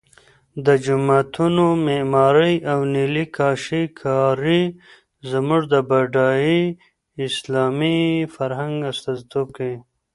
د جوماتونو معمارۍ او نیلي کاشي کاري زموږ د بډای اسلامي فرهنګ استازیتوب کوي.